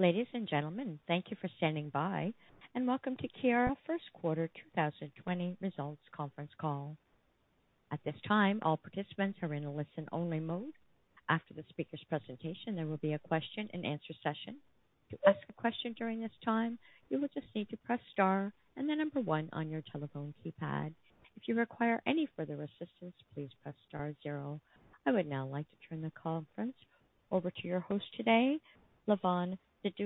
Ladies and gentlemen, thank you for standing by and welcome to Keyera first quarter 2020 results conference call. At this time, all participants are in a listen-only mode. After the speakers' presentation, there will be a question-and-answer session. To ask a question during this time, you will just need to press star and the number one on your telephone keypad. If you require any further assistance, please press star zero. I would now like to turn the conference over to your host today, Lavonne Zdunich, Director of Investor Relations. Please go ahead. Good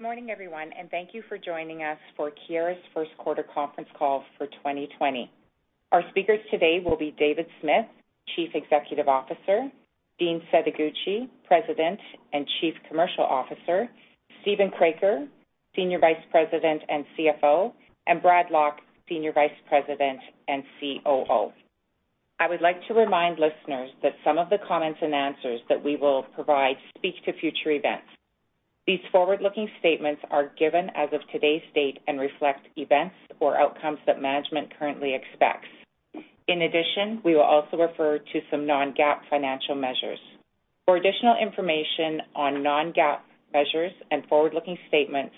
morning, everyone, and thank you for joining us for Keyera's first quarter conference call for 2020. Our speakers today will be David Smith, Chief Executive Officer, Dean Setoguchi, President and Chief Commercial Officer, Steven Kroeker, Senior Vice President and CFO, and Brad Lock, Senior Vice President and COO. I would like to remind listeners that some of the comments and answers that we will provide speak to future events. These forward-looking statements are given as of today's date and reflect events or outcomes that management currently expects. In addition, we will also refer to some non-GAAP financial measures. For additional information on non-GAAP measures and forward-looking statements,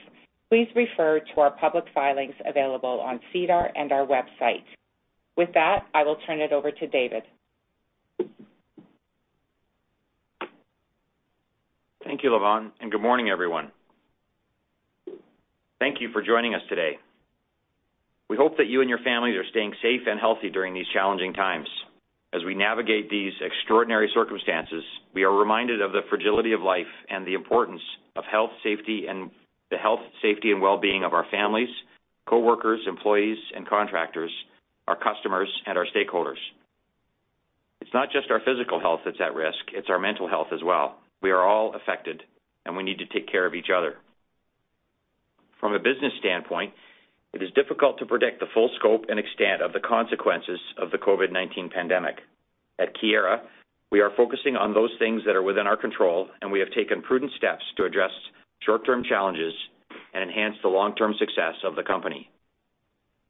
please refer to our public filings available on SEDAR and our website. With that, I will turn it over to David. Thank you, Lavonne, and good morning, everyone. Thank you for joining us today. We hope that you and your families are staying safe and healthy during these challenging times. As we navigate these extraordinary circumstances, we are reminded of the fragility of life and the importance of the health, safety, and well-being of our families, coworkers, employees and contractors, our customers, and our stakeholders. It's not just our physical health that's at risk, it's our mental health as well. We are all affected, and we need to take care of each other. From a business standpoint, it is difficult to predict the full scope and extent of the consequences of the COVID-19 pandemic. At Keyera, we are focusing on those things that are within our control, and we have taken prudent steps to address short-term challenges and enhance the long-term success of the company.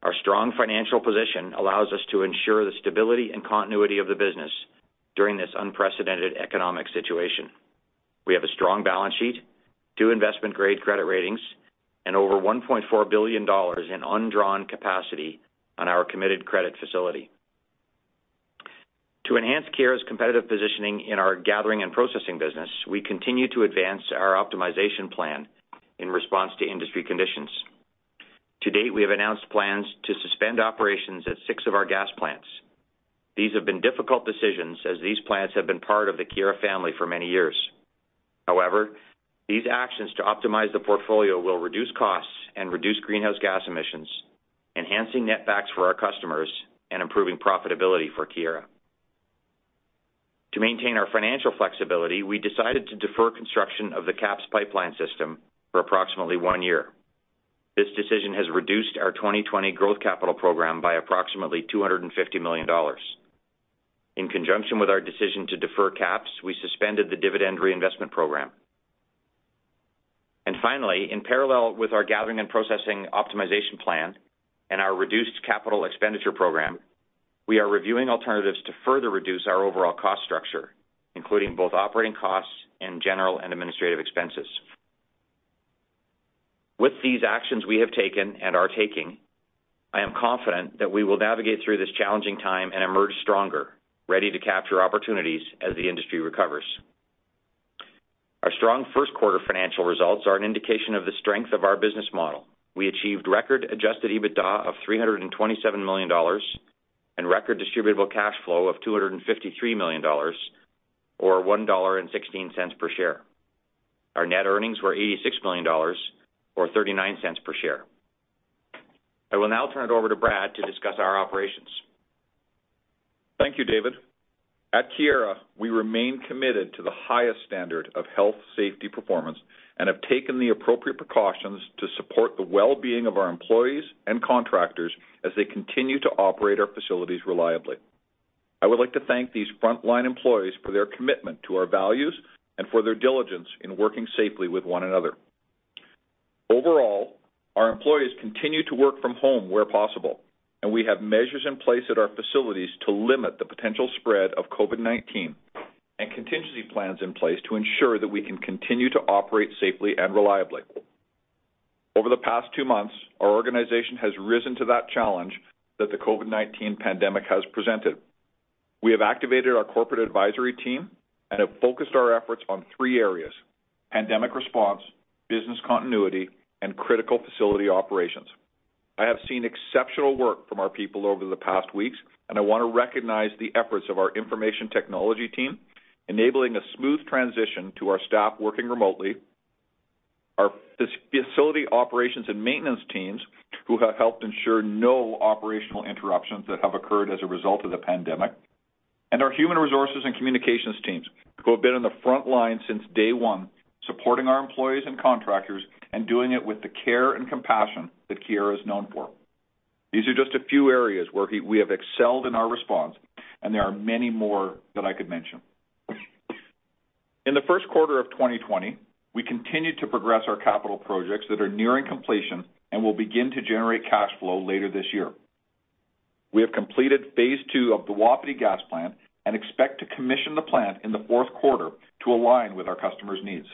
Our strong financial position allows us to ensure the stability and continuity of the business during this unprecedented economic situation. We have a strong balance sheet, two investment-grade credit ratings, and over 1.4 billion dollars in undrawn capacity on our committed credit facility. To enhance Keyera's competitive positioning in our Gathering and Processing business, we continue to advance our optimization plan in response to industry conditions. To date, we have announced plans to suspend operations at six of our gas plants. These have been difficult decisions as these plants have been part of the Keyera family for many years. These actions to optimize the portfolio will reduce costs and reduce greenhouse gas emissions, enhancing netbacks for our customers and improving profitability for Keyera. To maintain our financial flexibility, we decided to defer construction of the KAPS Pipeline system for approximately one year. This decision has reduced our 2020 growth capital program by approximately 250 million dollars. In conjunction with our decision to defer KAPS, we suspended the dividend reinvestment program. Finally, in parallel with our gathering and processing optimization plan and our reduced capital expenditure program, we are reviewing alternatives to further reduce our overall cost structure, including both operating costs and general and administrative expenses. With these actions we have taken and are taking, I am confident that we will navigate through this challenging time and emerge stronger, ready to capture opportunities as the industry recovers. Our strong first quarter financial results are an indication of the strength of our business model. We achieved record-adjusted EBITDA of 327 million dollars and record distributable cash flow of 253 million dollars, or 1.16 dollar per share. Our net earnings were 86 million dollars, or 0.39 per share. I will now turn it over to Brad to discuss our operations. Thank you, David. At Keyera, we remain committed to the highest standard of health safety performance and have taken the appropriate precautions to support the well-being of our employees and contractors as they continue to operate our facilities reliably. I would like to thank these frontline employees for their commitment to our values and for their diligence in working safely with one another. Overall, our employees continue to work from home where possible, and we have measures in place at our facilities to limit the potential spread of COVID-19 and contingency plans in place to ensure that we can continue to operate safely and reliably. Over the past two months, our organization has risen to that challenge that the COVID-19 pandemic has presented. We have activated our corporate advisory team and have focused our efforts on three areas, pandemic response, business continuity, and critical facility operations. I have seen exceptional work from our people over the past weeks. I want to recognize the efforts of our information technology team, enabling a smooth transition to our staff working remotely. Our facility operations and maintenance teams have helped ensure no operational interruptions that have occurred as a result of the pandemic. Our human resources and communications teams have been on the front line since day one, supporting our employees and contractors, and doing it with the care and compassion that Keyera is known for. These are just a few areas where we have excelled in our response, and there are many more that I could mention. In the first quarter of 2020, we continued to progress our capital projects that are nearing completion and will begin to generate cash flow later this year. We have completed phase II of the Wapiti gas plant and expect to commission the plant in the fourth quarter to align with our customers' needs.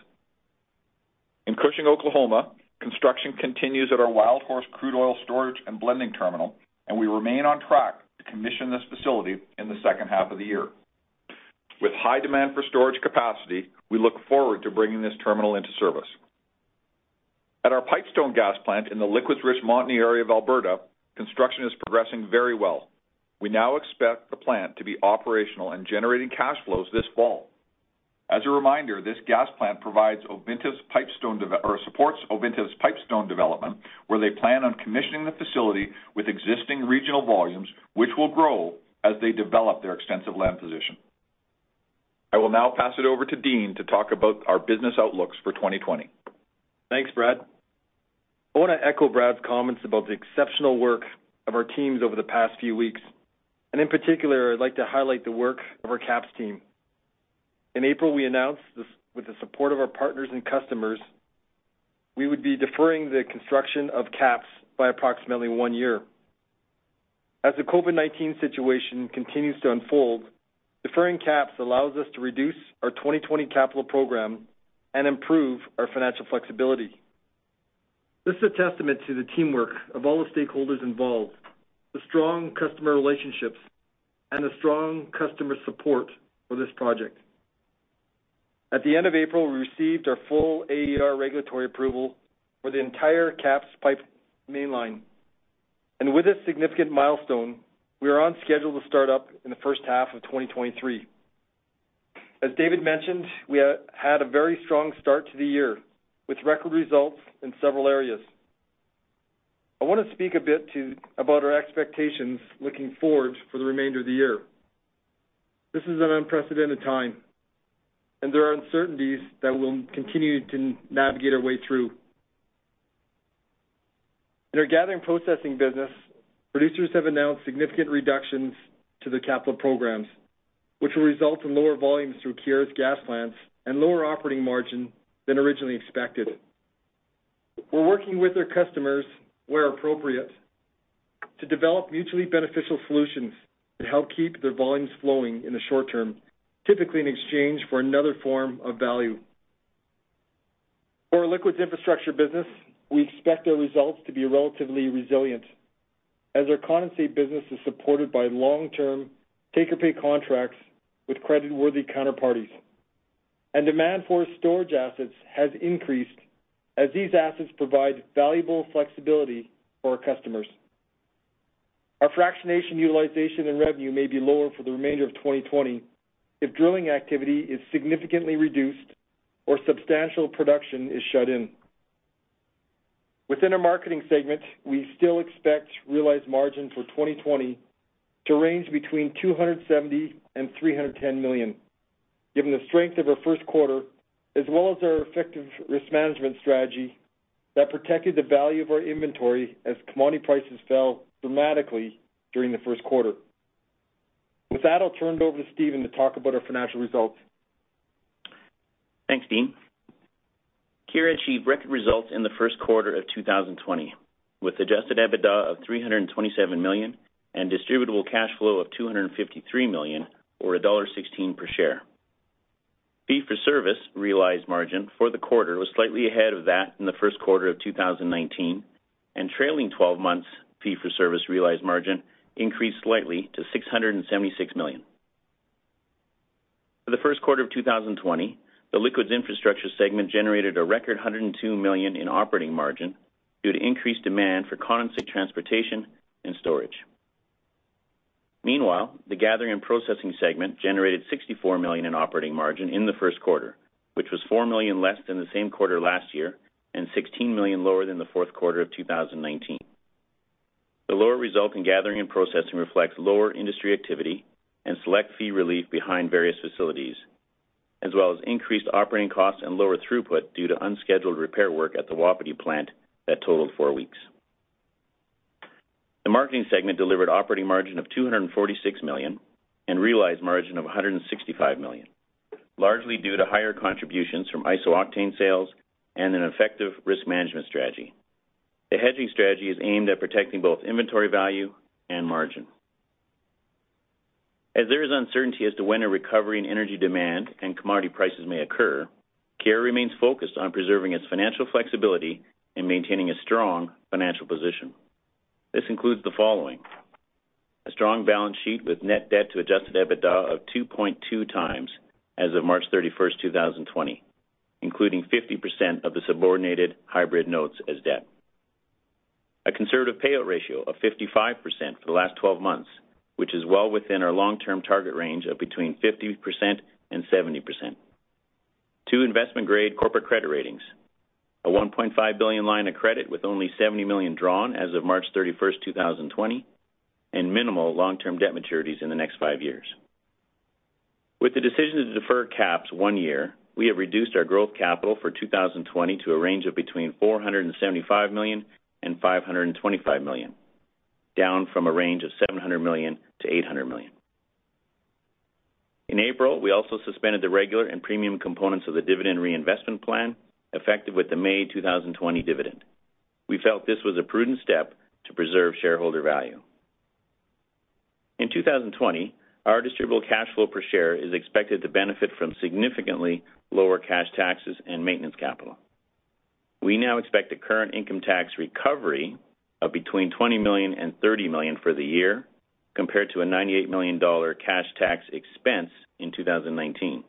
In Cushing, Oklahoma, construction continues at our Wildhorse crude oil storage and blending terminal, and we remain on track to commission this facility in the second half of the year. With high demand for storage capacity, we look forward to bringing this terminal into service. At our Pipestone gas plant in the liquids-rich Montney area of Alberta, construction is progressing very well. We now expect the plant to be operational and generating cash flows this fall. As a reminder, this gas plant supports Ovintiv's Pipestone development, where they plan on commissioning the facility with existing regional volumes, which will grow as they develop their extensive land position. I will now pass it over to Dean to talk about our business outlooks for 2020. Thanks, Brad. I want to echo Brad's comments about the exceptional work of our teams over the past few weeks, and in particular, I'd like to highlight the work of our KAPS team. In April, we announced, with the support of our partners and customers, we would be deferring the construction of KAPS by approximately one year. As the COVID-19 situation continues to unfold, deferring KAPS allows us to reduce our 2020 capital program and improve our financial flexibility. This is a testament to the teamwork of all the stakeholders involved, the strong customer relationships, and the strong customer support for this project. At the end of April, we received our full AER regulatory approval for the entire KAPS pipe mainline. With this significant milestone, we are on schedule to start up in the first half of 2023. As David mentioned, we had a very strong start to the year, with record results in several areas. I want to speak a bit about our expectations looking forward for the remainder of the year. This is an unprecedented time, there are uncertainties that we'll continue to navigate our way through. In our Gathering and Processing business, producers have announced significant reductions to their capital programs, which will result in lower volumes through Keyera's gas plants and lower operating margin than originally expected. We're working with our customers where appropriate to develop mutually beneficial solutions to help keep their volumes flowing in the short term, typically in exchange for another form of value. For our Liquids Infrastructure business, we expect our results to be relatively resilient, as our condensate business is supported by long-term take-or-pay contracts with creditworthy counterparties. Demand for storage assets has increased as these assets provide valuable flexibility for our customers. Our fractionation utilization and revenue may be lower for the remainder of 2020 if drilling activity is significantly reduced or substantial production is shut in. Within our Marketing segment, we still expect realized margin for 2020 to range between 270 million and 310 million, given the strength of our first quarter, as well as our effective risk management strategy that protected the value of our inventory as commodity prices fell dramatically during the first quarter. With that, I'll turn it over to Steven to talk about our financial results. Thanks, Dean. Keyera achieved record results in the first quarter of 2020 with adjusted EBITDA of CAD 327 million and distributable cash flow of CAD 253 million, or CAD 1.16 per share. Fee-for-service realized margin for the quarter was slightly ahead of that in the first quarter of 2019, and trailing 12 months fee-for-service realized margin increased slightly to 676 million. For the first quarter of 2020, the Liquids Infrastructure segment generated a record 102 million in operating margin due to increased demand for Condensate transportation and storage. Meanwhile, the Gathering and Processing segment generated 64 million in operating margin in the first quarter, which was 4 million less than the same quarter last year and 16 million lower than the fourth quarter of 2019. The lower result in Gathering and Processing reflects lower industry activity and select fee relief behind various facilities, as well as increased operating costs and lower throughput due to unscheduled repair work at the Wapiti plant that totaled four weeks. The Marketing segment delivered operating margin of 246 million and realized margin of 165 million, largely due to higher contributions from isooctane sales and an effective risk management strategy. The hedging strategy is aimed at protecting both inventory value and margin. As there is uncertainty as to when a recovery in energy demand and commodity prices may occur, Keyera remains focused on preserving its financial flexibility and maintaining a strong financial position. This includes the following: A strong balance sheet with net debt to adjusted EBITDA of 2.2x as of March 31st, 2020, including 50% of the subordinated hybrid notes as debt. A conservative payout ratio of 55% for the last 12 months, which is well within our long-term target range of between 50% and 70%. Two investment-grade corporate credit ratings. A 1.5 billion line of credit with only 70 million drawn as of March 31st, 2020, and minimal long-term debt maturities in the next five years. With the decision to defer KAPS one year, we have reduced our growth capital for 2020 to a range of between 475 million and 525 million. Down from a range of 700 million-800 million. In April, we also suspended the regular and premium components of the dividend reinvestment plan, effective with the May 2020 dividend. We felt this was a prudent step to preserve shareholder value. In 2020, our distributable cash flow per share is expected to benefit from significantly lower cash taxes and maintenance capital. We now expect a current income tax recovery of between 20 million and 30 million for the year, compared to a 98 million dollar cash tax expense in 2019.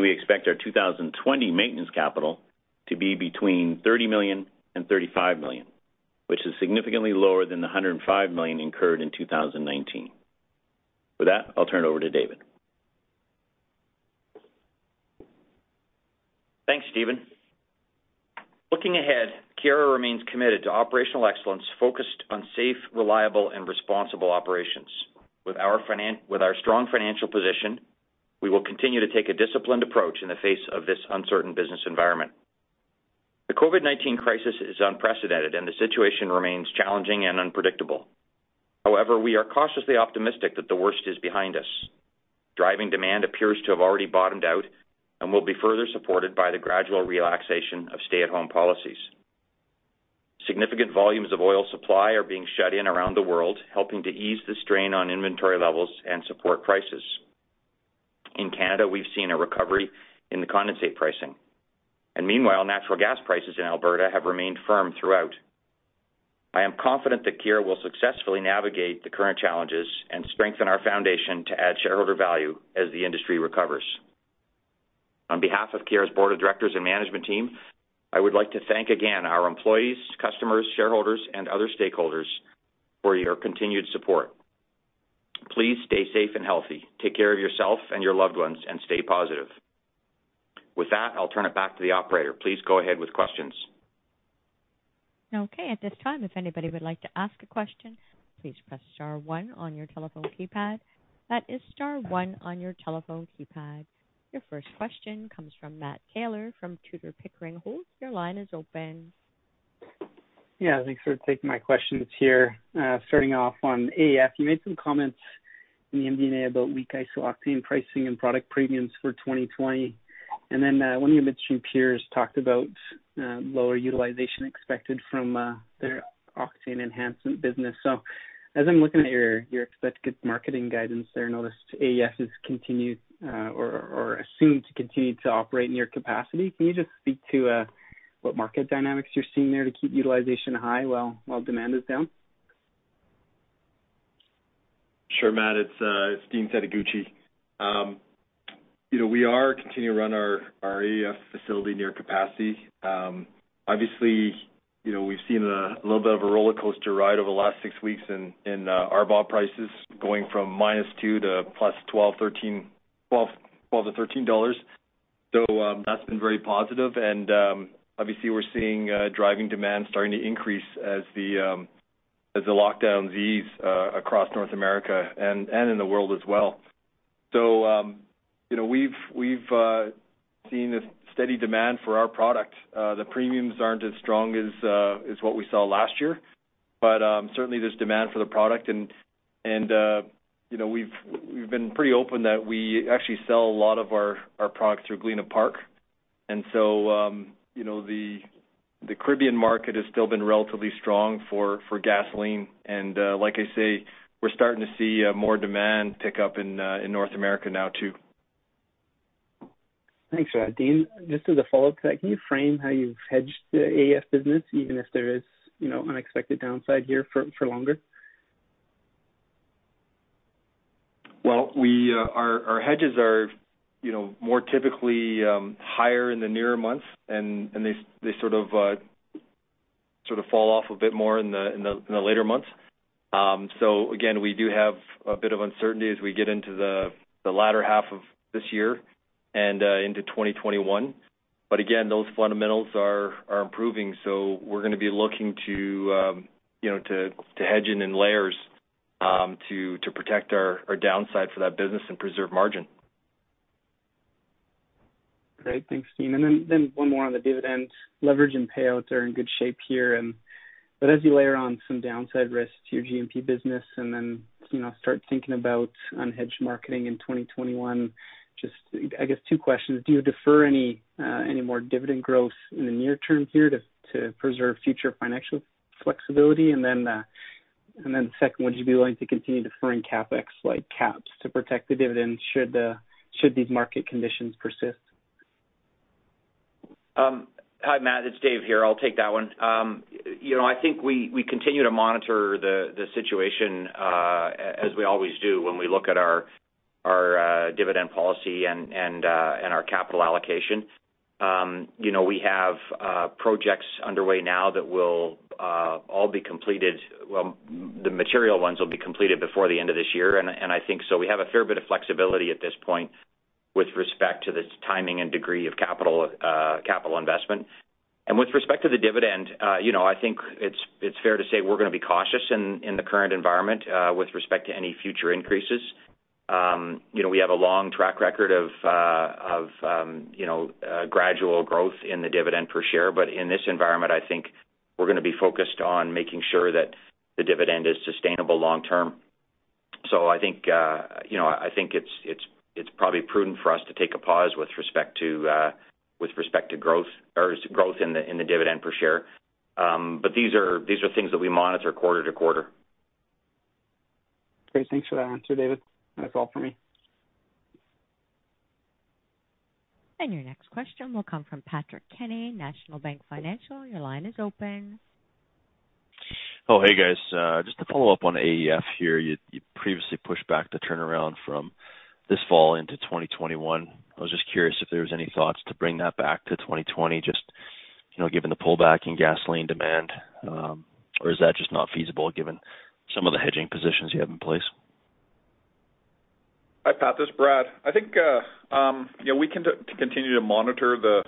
We expect our 2020 maintenance capital to be between 30 million and 35 million, which is significantly lower than the 105 million incurred in 2019. With that, I'll turn it over to David. Thanks, Steven. Looking ahead, Keyera remains committed to operational excellence focused on safe, reliable and responsible operations. With our strong financial position, we will continue to take a disciplined approach in the face of this uncertain business environment. The COVID-19 crisis is unprecedented and the situation remains challenging and unpredictable. We are cautiously optimistic that the worst is behind us. Driving demand appears to have already bottomed out and will be further supported by the gradual relaxation of stay-at-home policies. Significant volumes of oil supply are being shut in around the world, helping to ease the strain on inventory levels and support prices. In Canada, we've seen a recovery in the condensate pricing. Meanwhile, natural gas prices in Alberta have remained firm throughout. I am confident that Keyera will successfully navigate the current challenges and strengthen our foundation to add shareholder value as the industry recovers. On behalf of Keyera's Board of Directors and management team, I would like to thank again our employees, customers, shareholders, and other stakeholders for your continued support. Please stay safe and healthy, take care of yourself and your loved ones, and stay positive. With that, I'll turn it back to the operator. Please go ahead with questions. Okay, at this time, if anybody would like to ask a question, please press star one on your telephone keypad. That is star one on your telephone keypad. Your first question comes from Matt Taylor from Tudor, Pickering, Holt. Your line is open. Yeah, thanks for taking my questions here. Starting off on AEF, you made some comments in the MD&A about weak iso-octane pricing and product premiums for 2020. One of your midstream peers talked about lower utilization expected from their octane enhancement business. As I'm looking at your expected marketing guidance there, I noticed AEF is assumed to continue to operate near capacity. Can you just speak to what market dynamics you're seeing there to keep utilization high while demand is down? Sure, Matt, it's Dean Setoguchi. We are continuing to run our AEF facility near capacity. We've seen a little bit of a rollercoaster ride over the last six weeks in our bought prices going from -2 to +13. That's been very positive and we're seeing driving demand starting to increase as the lockdowns ease across North America and in the world as well. We've seen a steady demand for our product. The premiums aren't as strong as what we saw last year, certainly there's demand for the product and we've been pretty open that we actually sell a lot of our products through Galena Park. The Caribbean market has still been relatively strong for gasoline and, like I say, we're starting to see more demand pick up in North America now too. Thanks for that, Dean. Just as a follow-up to that, can you frame how you've hedged the AEF business even if there is unexpected downside here for longer? Well, our hedges are more typically higher in the nearer months and they sort of fall off a bit more in the later months. Again, we do have a bit of uncertainty as we get into the latter half of this year and into 2021. Again, those fundamentals are improving. We're going to be looking to hedge in layers to protect our downside for that business and preserve margin. Great. Thanks, Dean. One more on the dividend. Leverage and payouts are in good shape here, but as you layer on some downside risks to your G&P business and then start thinking about unhedged marketing in 2021, just, I guess two questions. Do you defer any more dividend growth in the near term here to preserve future financial flexibility? Second, would you be willing to continue deferring CapEx like KAPS to protect the dividend should these market conditions persist? Hi, Matt, it's Dave here. I'll take that one. I think we continue to monitor the situation, as we always do when we look at our dividend policy and our capital allocation. We have projects underway now that will all be completed—well, the material ones will be completed before the end of this year, and I think so we have a fair bit of flexibility at this point with respect to the timing and degree of capital investment. With respect to the dividend, I think it's fair to say we're going to be cautious in the current environment with respect to any future increases. We have a long track record of gradual growth in the dividend per share. In this environment, I think we're going to be focused on making sure that the dividend is sustainable long-term. I think it's probably prudent for us to take a pause with respect to growth or growth in the dividend per share. These are things that we monitor quarter to quarter. Great. Thanks for that answer, David. That's all for me. Your next question will come from Patrick Kenny, National Bank Financial. Your line is open. Oh, hey, guys. Just to follow up on AEF here, you previously pushed back the turnaround from this fall into 2021. I was just curious if there was any thoughts to bring that back to 2020, just given the pullback in gasoline demand, or is that just not feasible given some of the hedging positions you have in place? Hi, Pat. This is Brad. I think we continue to monitor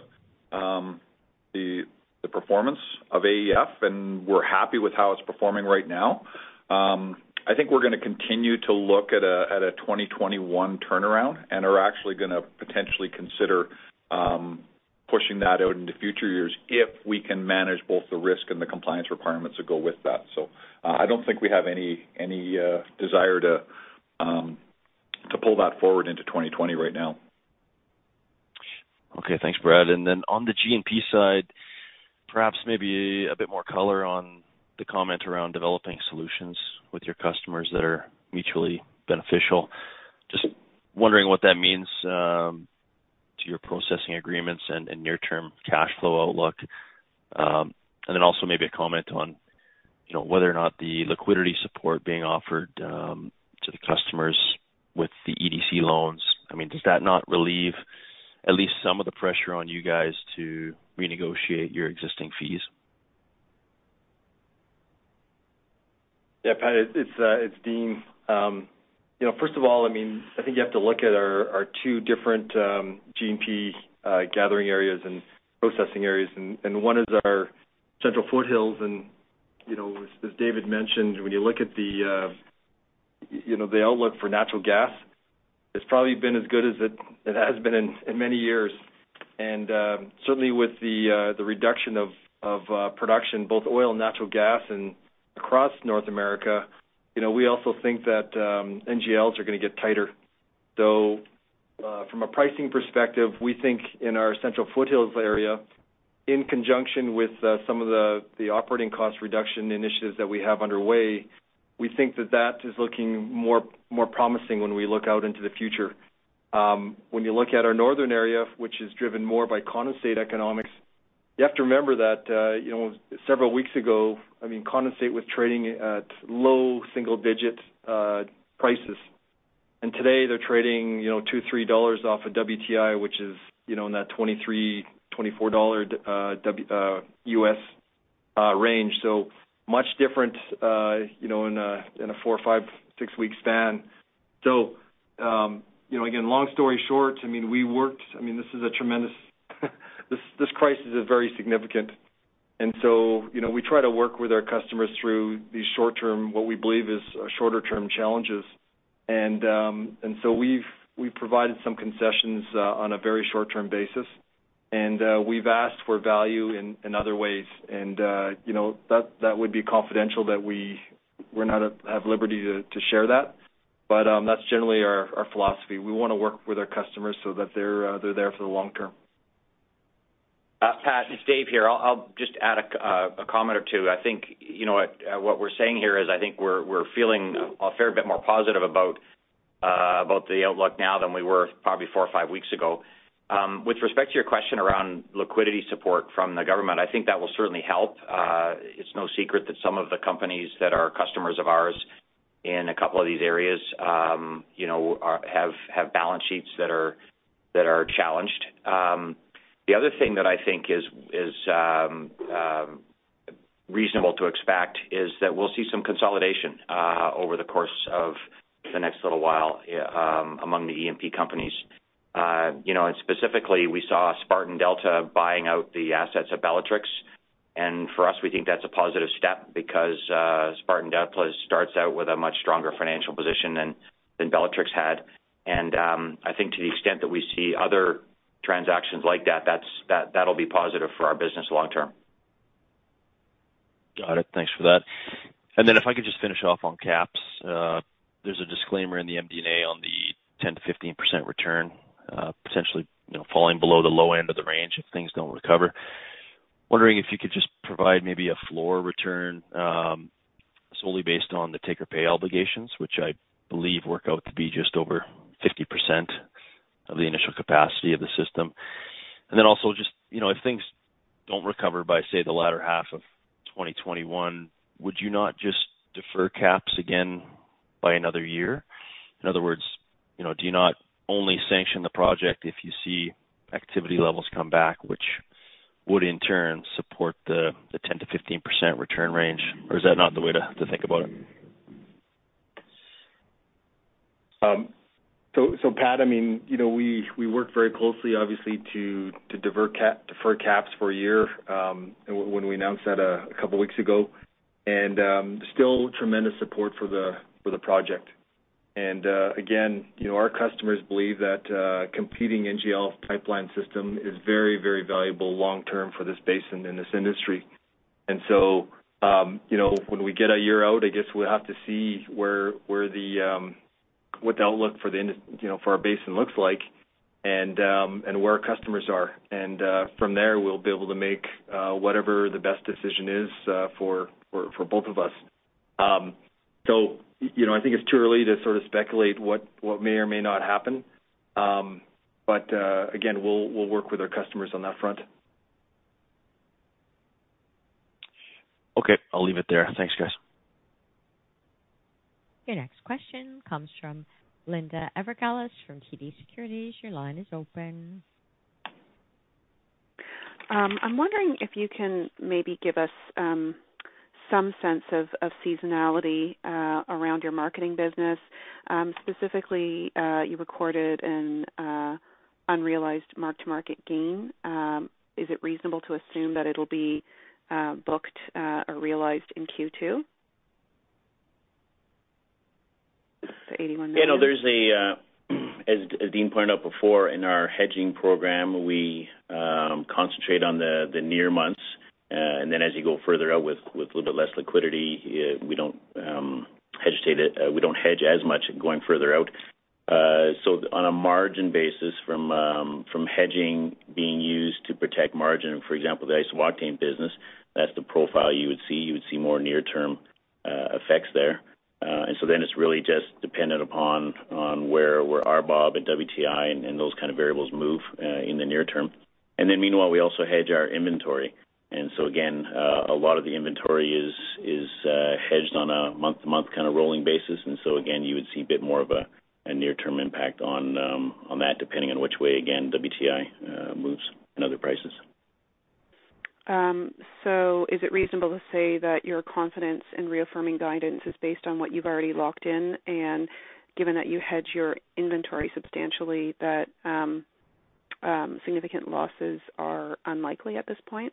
the performance of AEF, and we're happy with how it's performing right now. I think we're going to continue to look at a 2021 turnaround and are actually going to potentially consider pushing that out into future years if we can manage both the risk and the compliance requirements that go with that. I don't think we have any desire to pull that forward into 2020 right now. Okay. Thanks, Brad. On the G&P side, perhaps maybe a bit more color on the comment around developing solutions with your customers that are mutually beneficial. Just wondering what that means to your processing agreements and near-term cash flow outlook. Also maybe a comment on whether or not the liquidity support being offered to the customers with the EDC loans. Does that not relieve at least some of the pressure on you guys to renegotiate your existing fees? Yeah, Pat, it's Dean. First of all, I think you have to look at our two different G&P gathering areas and processing areas, and one is our Central Foothills. As David mentioned, when you look at the outlook for natural gas, it's probably been as good as it has been in many years. Certainly, with the reduction of production, both oil and natural gas, and across North America, we also think that NGLs are going to get tighter. From a pricing perspective, we think in our Central Foothills area, in conjunction with some of the operating cost reduction initiatives that we have underway, we think that that is looking more promising when we look out into the future. When you look at our northern area, which is driven more by condensate economics, you have to remember that several weeks ago, condensate was trading at low single-digit prices, and today they're trading $2, $3 off of WTI, which is in that $23, $24 U.S. range. Much different in a four, five, six-week span. Again, long story short, this crisis is very significant. We try to work with our customers through these short-term, what we believe is shorter-term challenges. We've provided some concessions on a very short-term basis, and we've asked for value in other ways, and that would be confidential that we're not at liberty to share that. That's generally our philosophy. We want to work with our customers so that they're there for the long term. Pat, it's Dave here. I'll just add a comment or two. I think what we're saying here is I think we're feeling a fair bit more positive about the outlook now than we were probably four or five weeks ago. With respect to your question around liquidity support from the government, I think that will certainly help. It's no secret that some of the companies that are customers of ours in a couple of these areas have balance sheets that are challenged. The other thing that I think is reasonable to expect is that we'll see some consolidation over the course of the next little while among the E&P companies. Specifically, we saw Spartan Delta buying out the assets of Bellatrix. For us, we think that's a positive step because Spartan Delta starts out with a much stronger financial position than Bellatrix had. I think to the extent that we see other transactions like that'll be positive for our business long-term. Got it. Thanks for that. If I could just finish off on KAPS. There's a disclaimer in the MD&A on the 10%-15% return, potentially falling below the low end of the range if things don't recover. Wondering if you could just provide maybe a floor return solely based on the take-or-pay obligations, which I believe work out to be just over 50% of the initial capacity of the system. Also just, if things don't recover by, say, the latter half of 2021, would you not just defer KAPS again by another year? In other words, do you not only sanction the project if you see activity levels come back, which would in turn support the 10%-15% return range? Is that not the way to think about it? Pat, we worked very closely, obviously, to defer KAPS for a year when we announced that a couple of weeks ago. Still tremendous support for the project. Again, our customers believe that competing NGL pipeline system is very, very valuable long-term for this basin and this industry. When we get a year out, I guess we'll have to see what the outlook for our basin looks like and where our customers are. From there, we'll be able to make whatever the best decision is for both of us. I think it's too early to sort of speculate what may or may not happen. Again, we'll work with our customers on that front. Okay. I'll leave it there. Thanks, guys. Your next question comes from Linda Ezergailis from TD Securities. Your line is open. I'm wondering if you can maybe give us some sense of seasonality around your Marketing business. Specifically, you recorded an unrealized mark-to-market gain. Is it reasonable to assume that it'll be booked or realized in Q2 the CAD 81 million? As Dean pointed out before, in our hedging program, we concentrate on the near months. As you go further out with a little bit less liquidity, we don't hedge as much going further out. On a margin basis from hedging being used to protect margin, for example, the isooctane business, that's the profile you would see. You would see more near-term effects there. It's really just dependent upon where RBOB and WTI and those kind of variables move in the near term. Meanwhile, we also hedge our inventory. Again, a lot of the inventory is hedged on a month-to-month kind of rolling basis. Again, you would see a bit more of a near-term impact on that depending on which way, again, WTI moves and other prices. Is it reasonable to say that your confidence in reaffirming guidance is based on what you've already locked in, and given that you hedge your inventory substantially, that significant losses are unlikely at this point?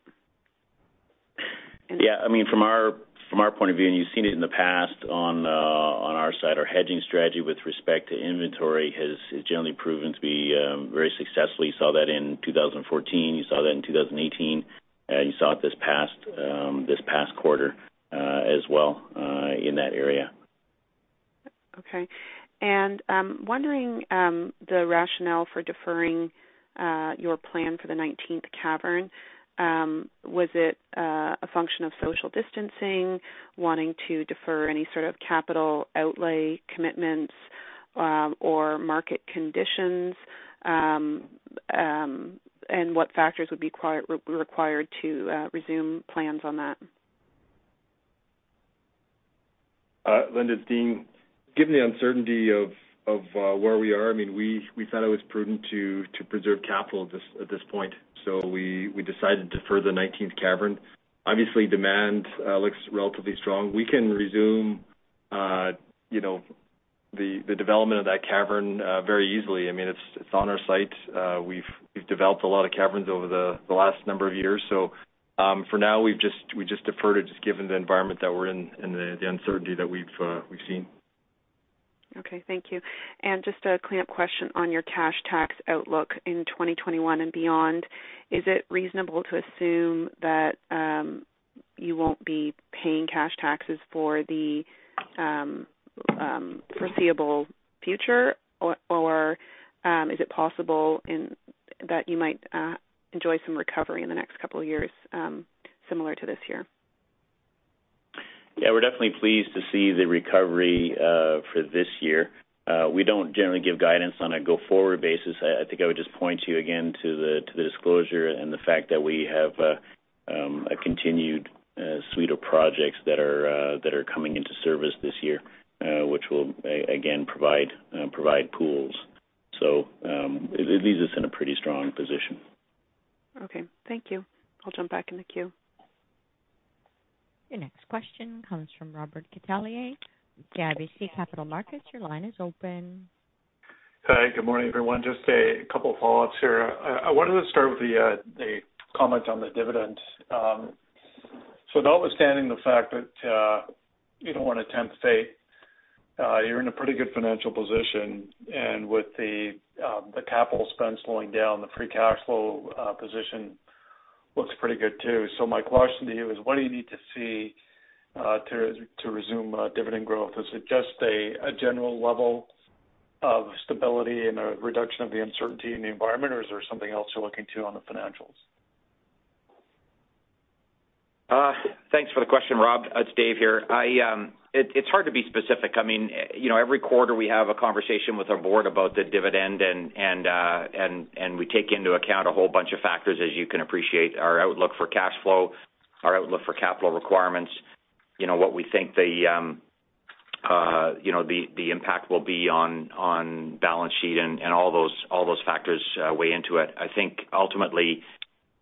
From our point of view, and you've seen it in the past on our side, our hedging strategy with respect to inventory has generally proven to be very successful. You saw that in 2014, you saw that in 2018, and you saw it this past quarter as well in that area. Okay. I'm wondering the rationale for deferring your plan for the 19th cavern. Was it a function of social distancing, wanting to defer any sort of capital outlay commitments, or market conditions? What factors would be required to resume plans on that? Linda, it's Dean. Given the uncertainty of where we are, we thought it was prudent to preserve capital at this point, we decided to defer the 19th cavern. Obviously, demand looks relatively strong. We can resume the development of that cavern very easily. It's on our site. We've developed a lot of caverns over the last number of years. For now, we've just deferred it, just given the environment that we're in and the uncertainty that we've seen. Okay, thank you. Just a cleanup question on your cash tax outlook in 2021 and beyond. Is it reasonable to assume that you won't be paying cash taxes for the foreseeable future or is it possible that you might enjoy some recovery in the next couple of years similar to this year? We're definitely pleased to see the recovery for this year. We don't generally give guidance on a go-forward basis. I think I would just point you, again, to the disclosure and the fact that we have a continued suite of projects that are coming into service this year, which will, again, provide pools. It leaves us in a pretty strong position. Okay, thank you. I'll jump back in the queue. Your next question comes from Robert Catellier with CIBC Capital Markets. Your line is open. Hi. Good morning, everyone. Just a couple follow-ups here. I wanted to start with a comment on the dividend. Notwithstanding the fact that you don't want to tempt fate, you're in a pretty good financial position. With the capital expense slowing down, the free cash flow position looks pretty good too. My question to you is, what do you need to see to resume dividend growth? Is it just a general level of stability and a reduction of the uncertainty in the environment, or is there something else you're looking to on the financials? Thanks for the question, Rob. It's Dave here. It's hard to be specific. Every quarter we have a conversation with our board about the dividend, and we take into account a whole bunch of factors, as you can appreciate. Our outlook for cash flow, our outlook for capital requirements, what we think the impact will be on balance sheet, and all those factors weigh into it. I think ultimately,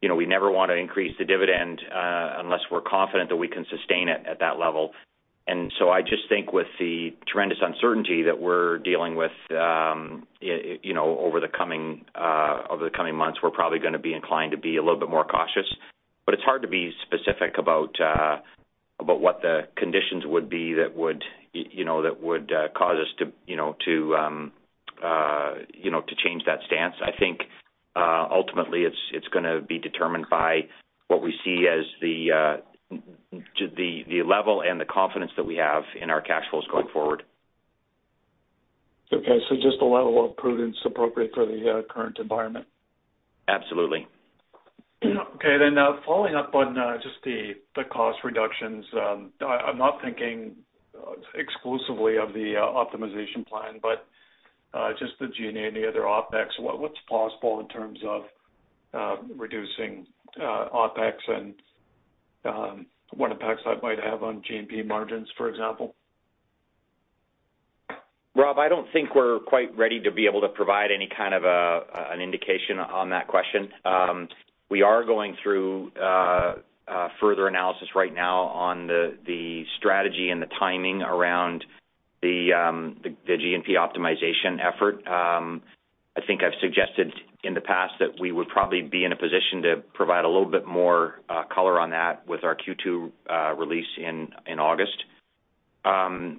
we never want to increase the dividend unless we're confident that we can sustain it at that level. The tremendous uncertainty that we're dealing with over the coming months, we're probably going to be inclined to be a little bit more cautious. It's hard to be specific about what the conditions would be that would cause us to change that stance. I think, ultimately, it's going to be determined by what we see as the level and the confidence that we have in our cash flows going forward. Okay. Just a level of prudence appropriate for the current environment. Absolutely. Okay, following up on just the cost reductions. I'm not thinking exclusively of the optimization plan, but just the G&A and the other OpEx. What's possible in terms of reducing OpEx and what impacts that might have on G&P margins, for example? Rob, I don't think we're quite ready to be able to provide any kind of an indication on that question. We are going through further analysis right now on the strategy and the timing around the G&P optimization effort. I think I've suggested in the past that we would probably be in a position to provide a little bit more color on that with our Q2 release in August.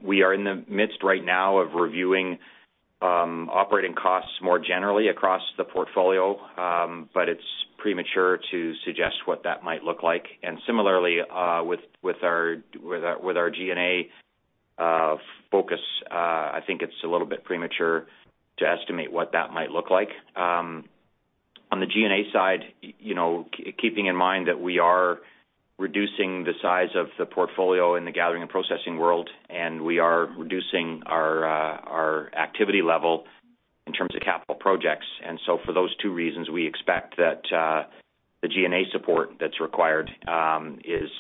We are in the midst right now of reviewing operating costs more generally across the portfolio. It's premature to suggest what that might look like. Similarly, with our G&A focus, I think it's a little bit premature to estimate what that might look like. On the G&A side, keeping in mind that we are reducing the size of the portfolio in the Gathering and Processing world, and we are reducing our activity level in terms of capital projects. For those two reasons, we expect that the G&A support that's required is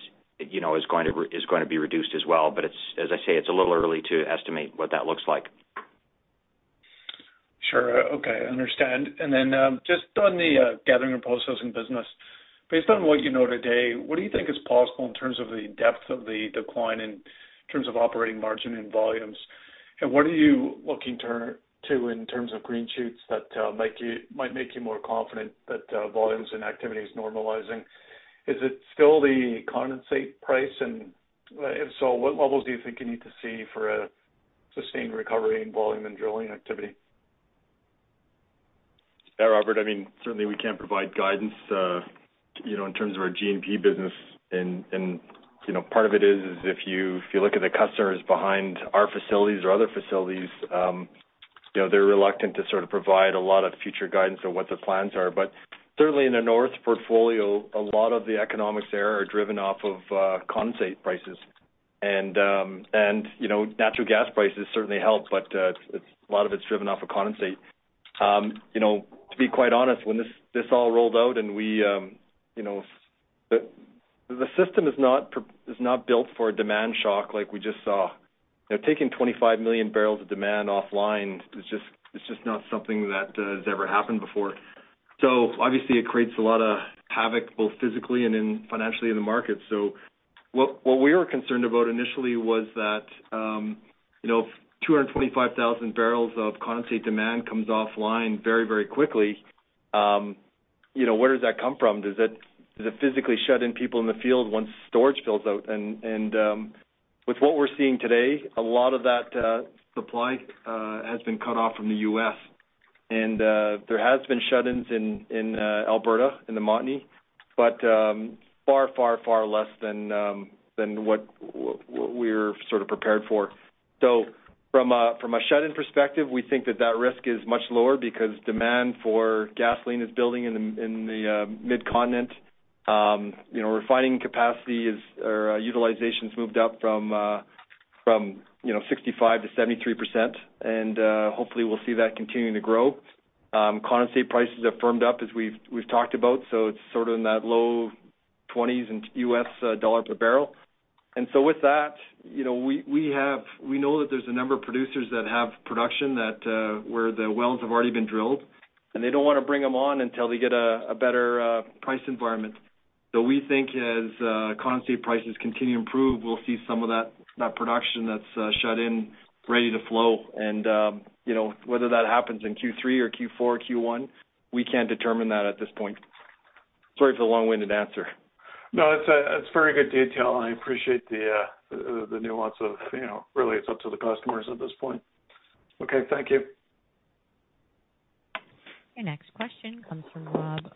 going to be reduced as well. As I say, it's a little early to estimate what that looks like. Sure. Okay, I understand. Just on the Gathering and Processing business, based on what you know today, what do you think is possible in terms of the depth of the decline in terms of operating margin and volumes? What are you looking to in terms of green shoots that might make you more confident that volumes and activity is normalizing? Is it still the condensate price? If so, what levels do you think you need to see for a sustained recovery in volume and drilling activity? Yeah, Robert, certainly we can't provide guidance in terms of our G&P business. Part of it is, if you look at the customers behind our facilities or other facilities, they're reluctant to provide a lot of future guidance on what the plans are. Certainly in the north portfolio, a lot of the economics there are driven off of condensate prices. Natural gas prices certainly help, but a lot of it's driven off of condensate. To be quite honest, when this all rolled out and the system is not built for a demand shock like we just saw. Taking 25 million barrels of demand offline is just not something that has ever happened before. Obviously it creates a lot of havoc, both physically and financially in the market. What we were concerned about initially was that 225,000 barrels of condensate demand comes offline very, very quickly. Where does that come from? Does it physically shut in people in the field once storage fills out? With what we're seeing today, a lot of that supply has been cut off from the U.S., and there has been shut-ins in Alberta, in the Montney, but far, far, far less than what we're prepared for. From a shut-in perspective, we think that that risk is much lower because demand for gasoline is building in the mid-continent. Refining capacity utilization's moved up from 65% to 73%, and hopefully we'll see that continuing to grow. Condensate prices have firmed up as we've talked about, so it's in that low 20s in U.S. dollar per barrel. With that, we know that there's a number of producers that have production where the wells have already been drilled, and they don't want to bring them on until they get a better price environment. We think as condensate prices continue to improve, we'll see some of that production that's shut in ready to flow. Whether that happens in Q3 or Q4 or Q1, we can't determine that at this point. Sorry for the long-winded answer. No, it's very good detail. I appreciate the nuance of really it's up to the customers at this point. Okay. Thank you. Your next question comes from Rob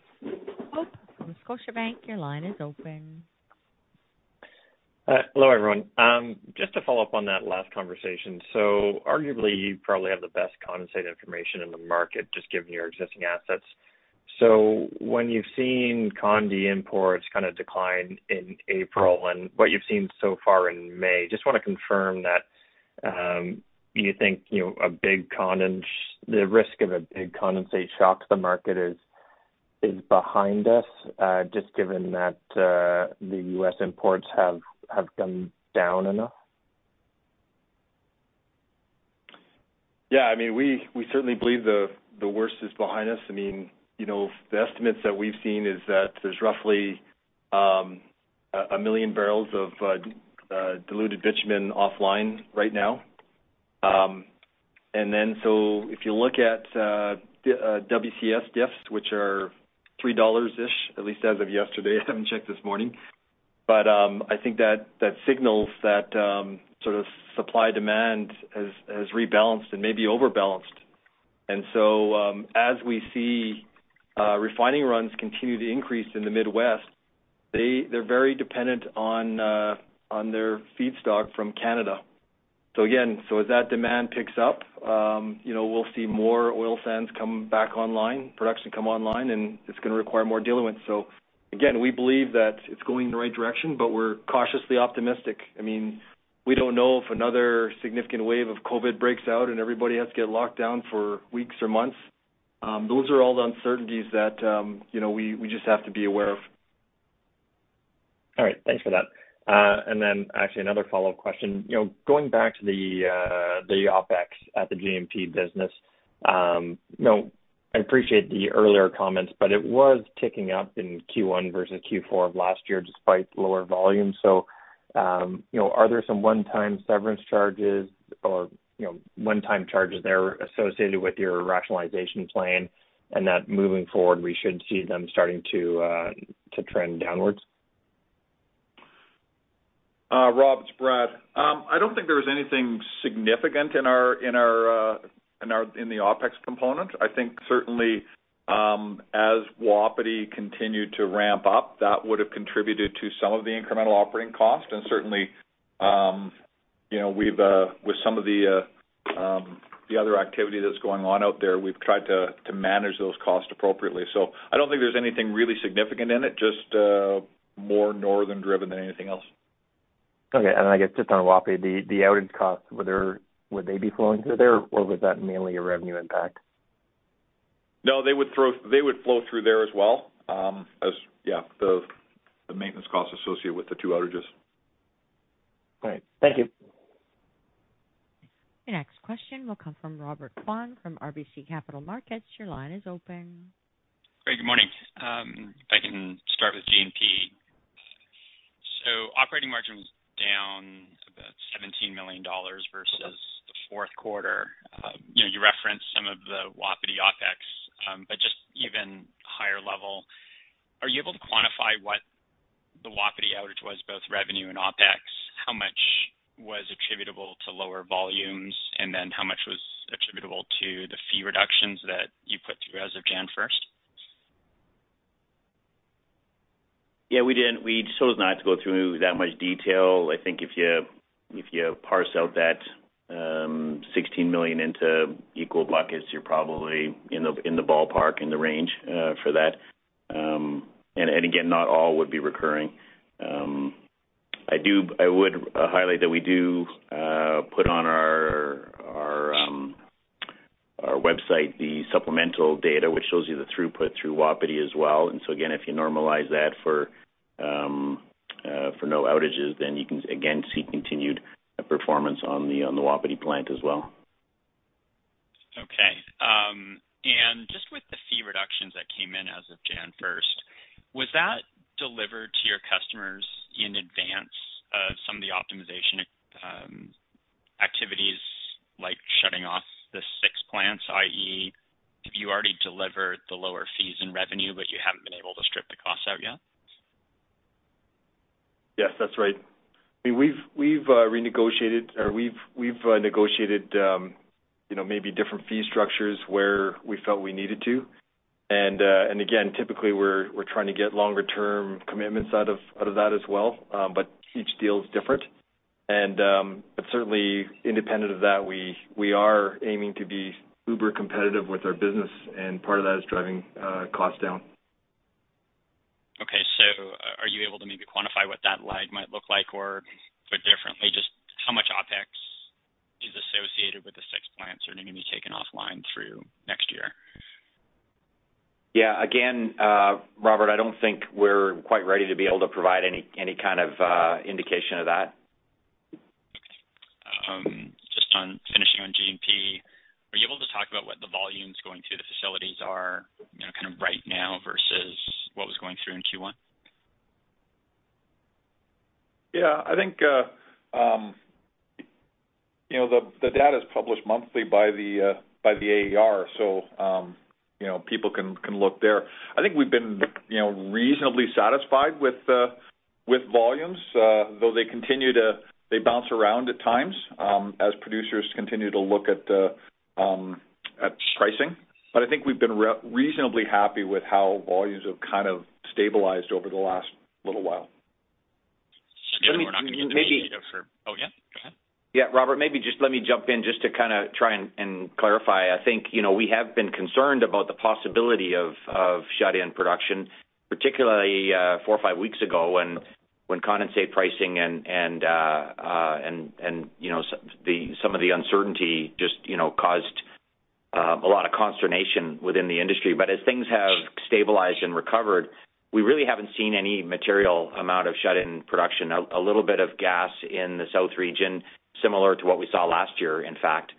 Hope from Scotiabank. Your line is open. Hello, everyone. Just to follow up on that last conversation. Arguably, you probably have the best condensate information in the market, just given your existing assets. When you've seen conde imports decline in April and what you've seen so far in May, just want to confirm that you think the risk of a big condensate shock to the market is behind us, just given that the U.S. imports have come down enough? We certainly believe the worst is behind us. The estimates that we've seen is that there's roughly 1 million barrels of diluted bitumen offline right now. If you look at WCS diffs, which are $3-ish, at least as of yesterday, I haven't checked this morning. I think that signals that supply-demand has rebalanced and maybe over-balanced. As we see refining runs continue to increase in the Midwest, they're very dependent on their feedstock from Canada. As that demand picks up, we'll see more oil sands come back online, production come online, and it's going to require more diluent. We believe that it's going in the right direction, but we're cautiously optimistic. We don't know if another significant wave of COVID-19 breaks out and everybody has to get locked down for weeks or months. Those are all the uncertainties that we just have to be aware of. All right. Thanks for that. Actually another follow-up question. Going back to the OpEx at the G&P business. I appreciate the earlier comments, it was ticking up in Q1 versus Q4 of last year despite lower volume. Are there some one-time severance charges or one-time charges there associated with your rationalization plan and that moving forward, we should see them starting to trend downwards? Rob, it's Brad. I don't think there was anything significant in the OpEx component. I think certainly, as Wapiti continued to ramp up, that would've contributed to some of the incremental operating cost. certainly, with some of the other activity that's going on out there, we've tried to manage those costs appropriately. I don't think there's anything really significant in it, just more Northern driven than anything else. Okay. I guess just on Wapiti, the outage costs, would they be flowing through there, or was that mainly a revenue impact? No, they would flow through there as well. Yeah, the maintenance costs associated with the two outages. All right. Thank you. Your next question will come from Robert Kwan from RBC Capital Markets. Your line is open. Great. Good morning. If I can start with G&P. Operating margin was down about 17 million dollars versus the fourth quarter. You referenced some of the Wapiti OpEx, but just even higher level, are you able to quantify what the Wapiti outage was, both revenue and OpEx? How much was attributable to lower volumes, and how much was attributable to the fee reductions that you put through as of January 1st? Yeah, we chose not to go through that much detail. I think if you parse out that 16 million into equal buckets, you're probably in the ballpark, in the range for that. Again, not all would be recurring. I would highlight that we do put on our website the supplemental data, which shows you the throughput through Wapiti as well. Again, if you normalize that for no outages, then you can again see continued performance on the Wapiti plant as well. Okay. Just with the fee reductions that came in as of January 1st, was that delivered to your customers in advance of some of the optimization activities like shutting off the six plants, i.e., have you already delivered the lower fees and revenue, but you haven't been able to strip the cost out yet? Yes, that's right. We've negotiated maybe different fee structures where we felt we needed to. Again, typically, we're trying to get longer-term commitments out of that as well. Each deal is different. Certainly independent of that, we are aiming to be uber-competitive with our business, and part of that is driving costs down. Okay, are you able to maybe quantify what that line might look like? Or put differently, just how much OpEx is associated with the six plants that are going to be taken offline through next year? Yeah. Again, Robert, I don't think we're quite ready to be able to provide any kind of indication of that. Okay. Just finishing on G&P, are you able to talk about what the volumes going through the facilities are right now versus what was going through in Q1? Yeah, I think the data's published monthly by the AER. People can look there. I think we've been reasonably satisfied with volumes. They bounce around at times as producers continue to look at pricing. I think we've been reasonably happy with how volumes have kind of stabilized over the last little while. Oh, yeah. Go ahead. Yeah, Robert, maybe just let me jump in just to try and clarify. I think we have been concerned about the possibility of shut-in production, particularly four or five weeks ago when condensate pricing and some of the uncertainty just caused a lot of consternation within the industry. As things have stabilized and recovered, we really haven't seen any material amount of shut-in production. A little bit of gas in the south region, similar to what we saw last year, in fact,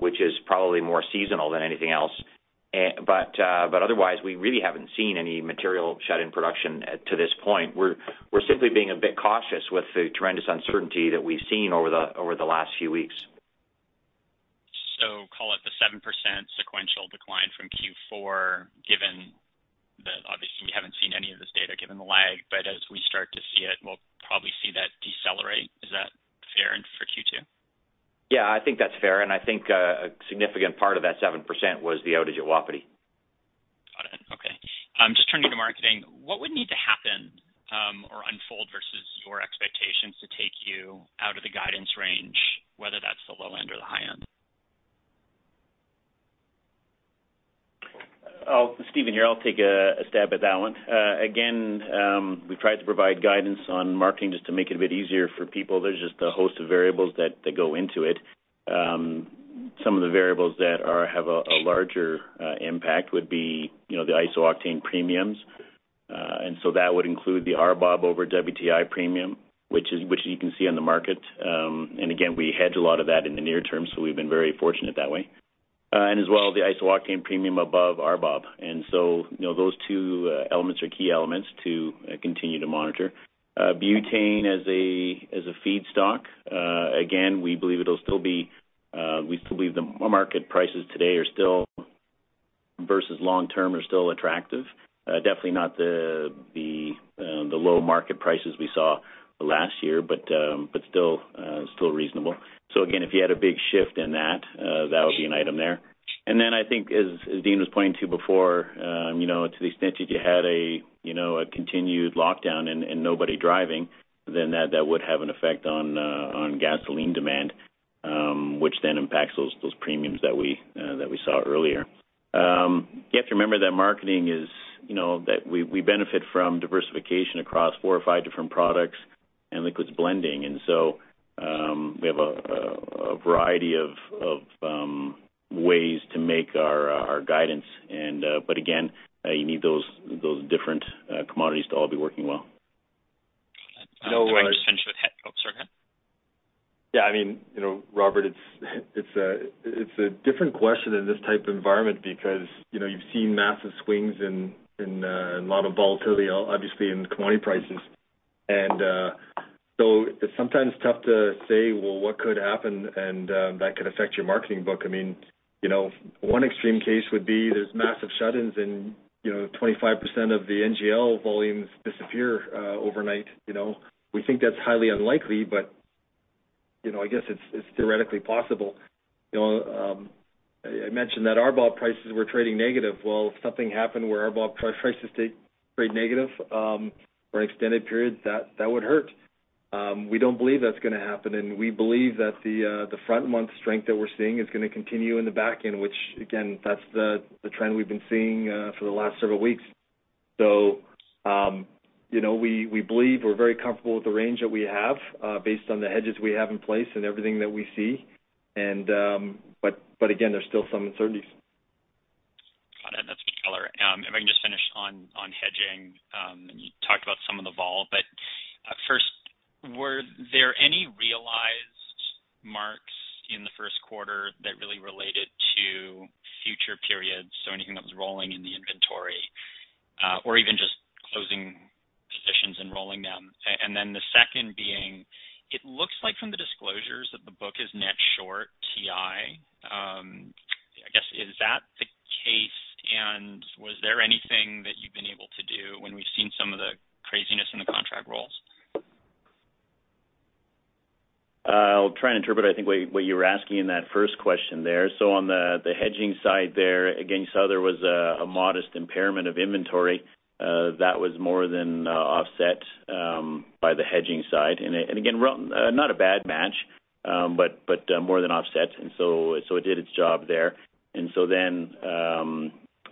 which is probably more seasonal than anything else. Otherwise, we really haven't seen any material shut-in production to this point. We're simply being a bit cautious with the tremendous uncertainty that we've seen over the last few weeks. Call it the 7% sequential decline from Q4, given that obviously we haven't seen any of this data, given the lag, but as we start to see it, we'll probably see that decelerate. Is that fair for Q2? Yeah, I think that's fair, and I think a significant part of that 7% was the outage at Wapiti. Got it. Okay. Just turning to Marketing, what would need to happen or unfold versus your expectations to take you out of the guidance range, whether that's the low end or the high end? Steven here. I'll take a stab at that one. Again, we've tried to provide guidance on marketing just to make it a bit easier for people. There's just a host of variables that go into it. Some of the variables that have a larger impact would be the isooctane premiums. That would include the RBOB over WTI premium, which you can see on the market. Again, we hedge a lot of that in the near term, so we've been very fortunate that way. As well, the isooctane premium above RBOB. Those two elements are key elements to continue to monitor. Butane as a feedstock, again, we believe the market prices today versus long term are still attractive. Definitely not the low market prices we saw last year, but still reasonable. Again, if you had a big shift in that would be an item there. I think as Dean was pointing to before, to the extent that you had a continued lockdown and nobody driving, then that would have an effect on gasoline demand, which then impacts those premiums that we saw earlier. You have to remember that marketing is that we benefit from diversification across four or five different products and liquids blending. We have a variety of ways to make our guidance. Again, you need those different commodities to all be working well. Oh, sorry. Go ahead. Yeah. Robert, it's a different question in this type of environment because you've seen massive swings and a lot of volatility, obviously, in commodity prices. So it's sometimes tough to say, well, what could happen, and that could affect your marketing book. One extreme case would be there's massive shut-ins and 25% of the NGL volumes disappear overnight. We think that's highly unlikely, but I guess it's theoretically possible. I mentioned that RBOB prices were trading negative. Well, if something happened where RBOB prices stayed trade negative for an extended period, that would hurt. We don't believe that's going to happen, we believe that the front-month strength that we're seeing is going to continue in the back end, which again, that's the trend we've been seeing for the last several weeks. We believe we're very comfortable with the range that we have based on the hedges we have in place and everything that we see. Again, there's still some uncertainties. Got it. That's a good color. If I can just finish on hedging. You talked about some of the vol, but first, were there any realized marks in the first quarter that really related to future periods, so anything that was rolling in the inventory, or even just closing positions and rolling them? The second being, it looks like from the disclosures that the book is net short TI. I guess, is that the case? Was there anything that you've been able to do when we've seen some of the craziness in the contract rolls? I'll try and interpret, I think what you were asking in that first question there. On the hedging side there, again, you saw there was a modest impairment of inventory. That was more than offset by the hedging side. Again, not a bad match, but more than offset. It did its job there. Then,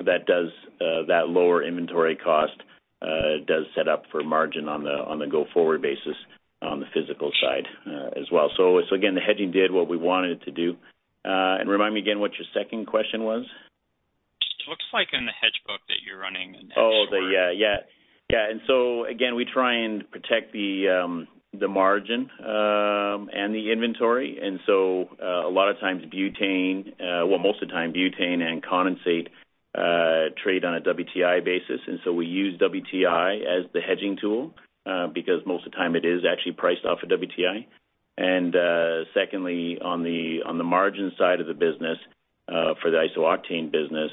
that lower inventory cost does set up for margin on the go-forward basis on the physical side as well. Again, the hedging did what we wanted it to do. Remind me again what your second question was. It looks like in the hedge book that you're running a hedge short. Yeah. Again, we try and protect the margin and the inventory. A lot of times, butane, well, most of the time, butane and condensate trade on a WTI basis. We use WTI as the hedging tool because most of the time it is actually priced off of WTI. Secondly, on the margin side of the business, for the isooctane business,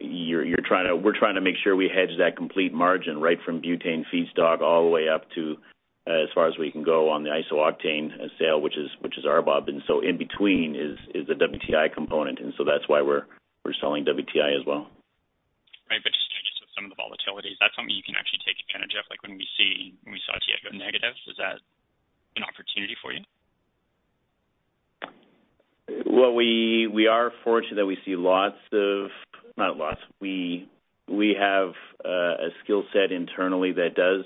we're trying to make sure we hedge that complete margin right from butane feedstock all the way up to as far as we can go on the isooctane sale, which is RBOB. In between is the WTI component, that's why we're selling WTI as well. Right. Just with some of the volatility, is that something you can actually take advantage of? Like when we saw WTI go negative, is that an opportunity for you? Well, we are fortunate that we have a skill set internally that does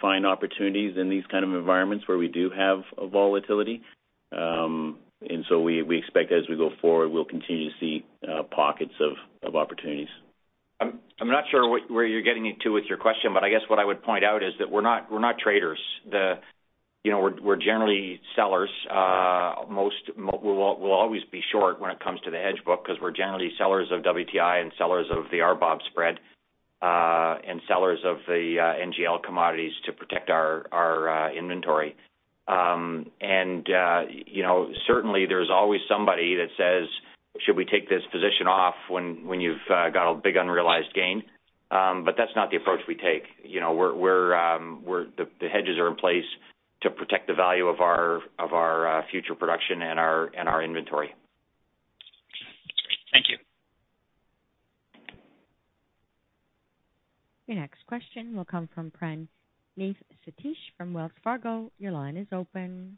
find opportunities in these kind of environments where we do have a volatility. We expect as we go forward, we'll continue to see pockets of opportunities. I'm not sure where you're getting into with your question, but I guess what I would point out is that we're not traders. We're generally sellers. We'll always be short when it comes to the hedge book because we're generally sellers of WTI and sellers of the RBOB spread, and sellers of the NGL commodities to protect our inventory. Certainly, there's always somebody that says, "Should we take this position off?" When you've got a big unrealized gain, but that's not the approach we take. The hedges are in place to protect the value of our future production and our inventory. Thank you. Your next question will come from Praneeth Satish from Wells Fargo. Your line is open.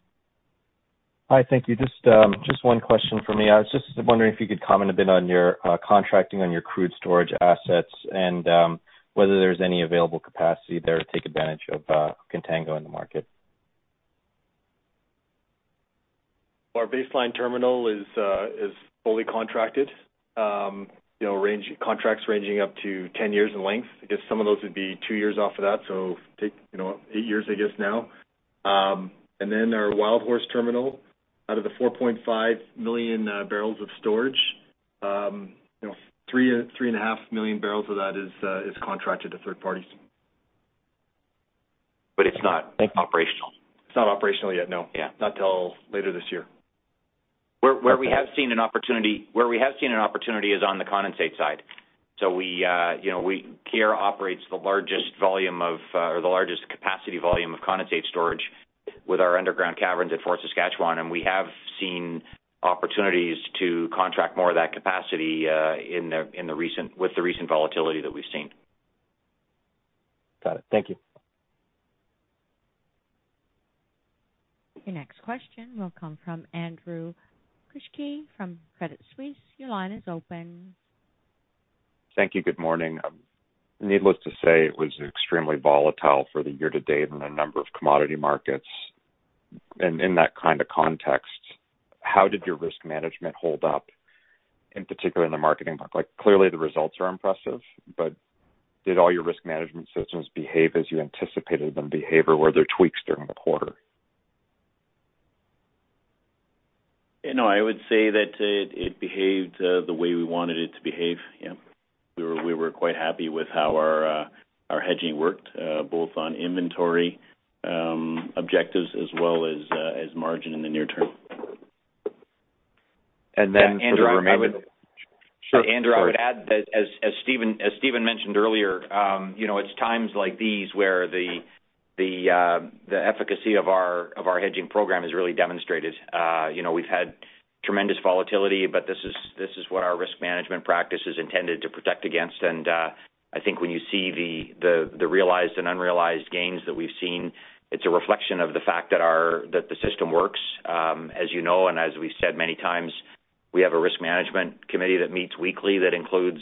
Hi, thank you. Just one question for me. I was just wondering if you could comment a bit on your contracting on your crude storage assets and whether there is any available capacity there to take advantage of contango in the market. Our Base Line Terminal is fully contracted. Contracts ranging up to 10 years in length. I guess some of those would be two years off of that, so take eight years, I guess now. Then our Wildhorse Terminal, out of the 4.5 million barrels of storage, 3.5 million barrels of that is contracted to third parties. But it's not operational? It's not operational yet, no. Yeah. Not till later this year. Where we have seen an opportunity is on the condensate side. Keyera operates the largest capacity volume of condensate storage with our underground caverns at Fort Saskatchewan. We have seen opportunities to contract more of that capacity with the recent volatility that we've seen. Got it. Thank you. Your next question will come from Andrew Kuske from Credit Suisse. Your line is open. Thank you. Good morning. Needless to say, it was extremely volatile for the year to date in a number of commodity markets. In that kind of context, how did your risk management hold up, in particular in the Marketing? Clearly, the results are impressive, did all your risk management systems behave as you anticipated them to behave or were there tweaks during the quarter? I would say that it behaved the way we wanted it to behave. Yeah. We were quite happy with how our hedging worked, both on inventory objectives as well as margin in the near term. And then for the remaining— Andrew, I would add that as Steven mentioned earlier, it's times like these where the efficacy of our hedging program is really demonstrated. We've had tremendous volatility, but this is what our risk management practice is intended to protect against. I think when you see the realized and unrealized gains that we've seen, it's a reflection of the fact that the system works. As you know and as we've said many times, we have a risk management committee that meets weekly that includes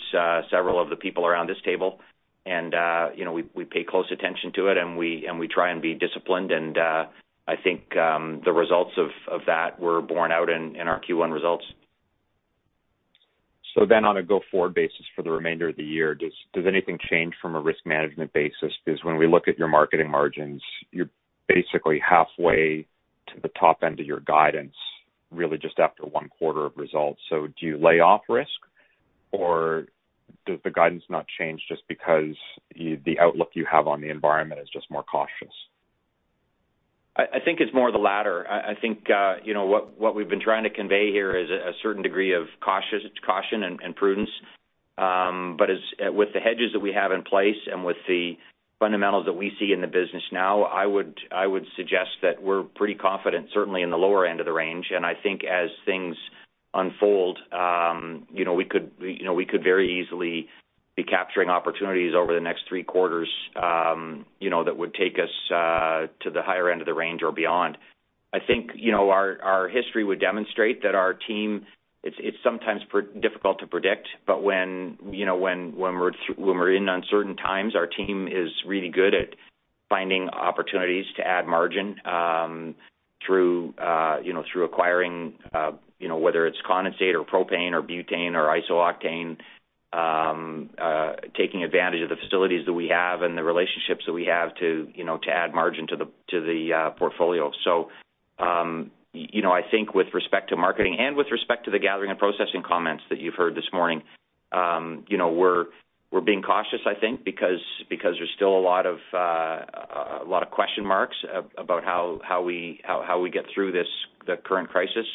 several of the people around this table. We pay close attention to it and we try and be disciplined. I think the results of that were borne out in our Q1 results. On a go-forward basis for the remainder of the year, does anything change from a risk management basis? When we look at your Marketing margins, you're basically halfway to the top end of your guidance, really just after one quarter of results. Do you lay off risk or does the guidance not change just because the outlook you have on the environment is just more cautious? I think it's more the latter. I think what we've been trying to convey here is a certain degree of caution and prudence. With the hedges that we have in place and with the fundamentals that we see in the business now, I would suggest that we're pretty confident, certainly in the lower end of the range. I think as things unfold, we could very easily be capturing opportunities over the next three quarters that would take us to the higher end of the range or beyond. I think our history would demonstrate that our team, it's sometimes difficult to predict, but when we're in uncertain times, our team is really good at finding opportunities to add margin through acquiring, whether it's condensate or propane or butane or isooctane, taking advantage of the facilities that we have and the relationships that we have to add margin to the portfolio. I think with respect to marketing and with respect to the Gathering and Processing comments that you've heard this morning, we're being cautious, I think, because there's still a lot of question marks about how we get through the current crisis.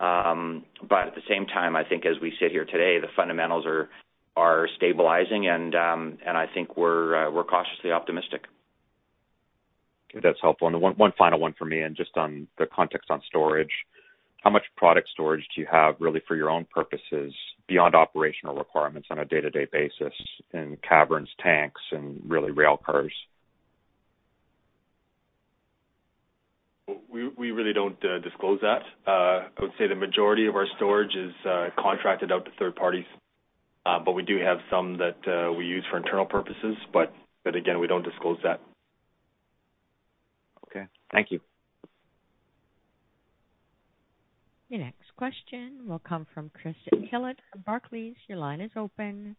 At the same time, I think as we sit here today, the fundamentals are stabilizing and I think we're cautiously optimistic. That's helpful. One final one for me, and just on the context on storage. How much product storage do you have really for your own purposes beyond operational requirements on a day-to-day basis in caverns, tanks, and really rail cars? We really don't disclose that. I would say the majority of our storage is contracted out to third parties, but we do have some that we use for internal purposes, but again, we don't disclose that. Okay, thank you. Your next question will come from Christopher Tillett from Barclays. Your line is open.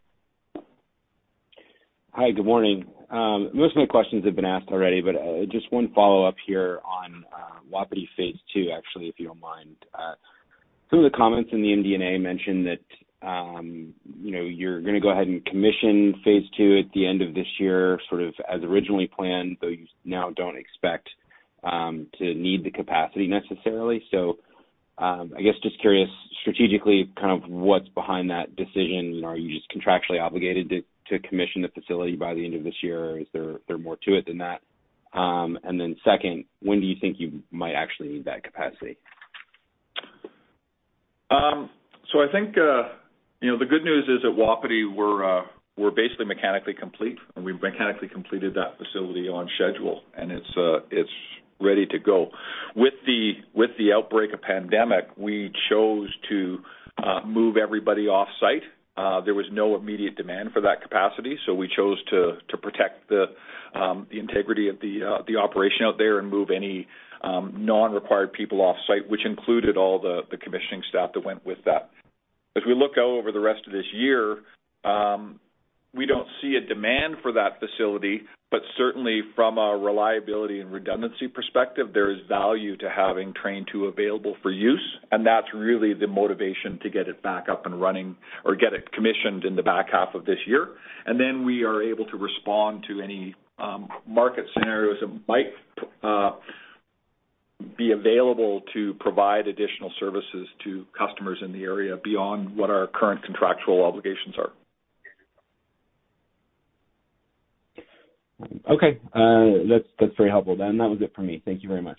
Hi, good morning. Most of my questions have been asked already, just one follow-up here on Wapiti phase two, actually, if you don't mind. Some of the comments in the MD&A mentioned that you're going to go ahead and commission phase two at the end of this year, sort of as originally planned, though you now don't expect to need the capacity necessarily. I guess just curious, strategically, what's behind that decision? Are you just contractually obligated to commission the facility by the end of this year, or is there more to it than that? Second, when do you think you might actually need that capacity? I think, the good news is at Wapiti, we're basically mechanically complete, and we've mechanically completed that facility on schedule, and it's ready to go. With the outbreak of pandemic, we chose to move everybody off-site. There was no immediate demand for that capacity. We chose to protect the integrity of the operation out there and move any non-required people off-site, which included all the commissioning staff that went with that. As we look out over the rest of this year, we don't see a demand for that facility, but certainly from a reliability and redundancy perspective, there is value to having train 2 available for use. That's really the motivation to get it back up and running or get it commissioned in the back half of this year. We are able to respond to any market scenarios that might be available to provide additional services to customers in the area beyond what our current contractual obligations are. Okay. That's very helpful then. That was it for me. Thank you very much.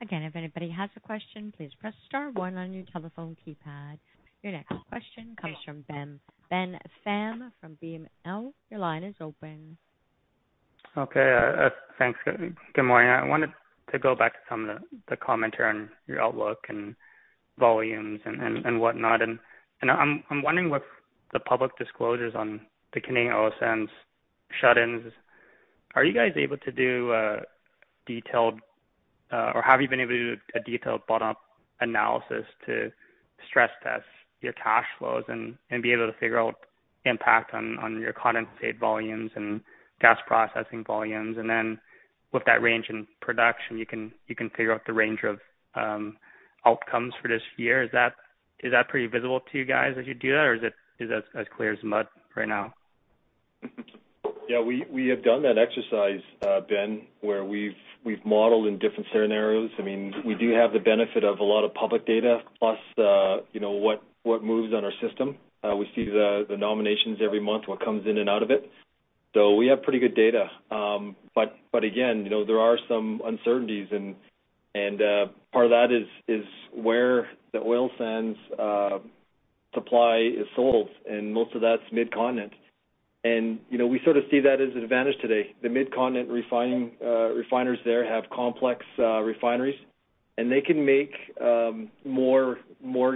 Again, if anybody has a question, please press star one on your telephone keypad. Your next question comes from Ben Pham from BMO. Your line is open. Okay, thanks. Good morning. I wanted to go back to some of the commentary on your outlook and volumes and whatnot. I'm wondering with the public disclosures on the Canadian oil sands shut-ins, are you guys able to do a detailed or have you been able to do a detailed bottom-up analysis to stress test your cash flows and be able to figure out impact on your condensate volumes and gas processing volumes? With that range in production, you can figure out the range of outcomes for this year. Is that pretty visible to you guys as you do that, or is that as clear as mud right now? Yeah, we have done that exercise, Ben, where we've modeled in different scenarios. We do have the benefit of a lot of public data plus what moves on our system. We see the nominations every month, what comes in and out of it. We have pretty good data. Again, there are some uncertainties, and part of that is where the oil sands supply is sold, and most of that is mid-continent. We sort of see that as an advantage today. The mid-continent refiners there have complex refineries, and they can make more